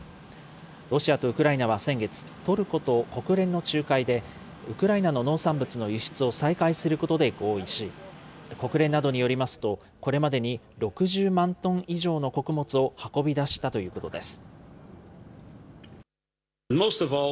ロシアとウクライナは先月、トルコと国連の仲介で、ウクライナの農産物の輸出を再開することで合意し、国連などによりますと、これまでに６０万トン以上の穀物を運び出したということです。